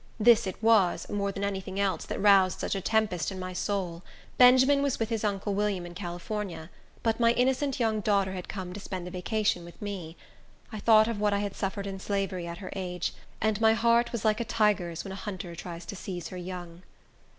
This it was, more than any thing else, that roused such a tempest in my soul. Benjamin was with his uncle William in California, but my innocent young daughter had come to spend a vacation with me. I thought of what I had suffered in slavery at her age, and my heart was like a tiger's when a hunter tries to seize her young.